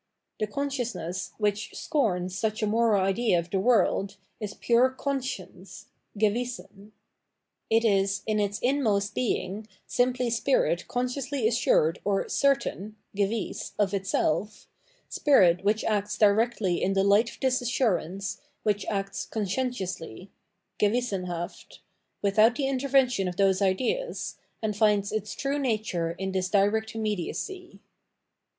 The consciousness, which scorns such a moral idea of the world, is pure Conscience {Geu'issen) : it is, in its inmost being, simply spirit consciously assured or " certain " (gewiss) of itself, spirit which acts directly in the hght of this assurance, which acts conscientiously {geuissen haft), without the intervention of those ideas, and finds its true nature in this direct immediacy.